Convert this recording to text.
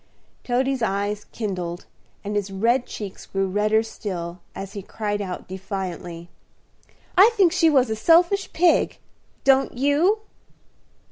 Toady's eyes kindled, and his red cheeks grew redder still, as he cried out defiantly, "I think she was a selfish pig, don't you?"